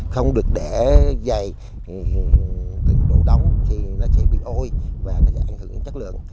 không được để dày đủ đóng thì nó sẽ bị ôi và nó sẽ ảnh hưởng đến chất lượng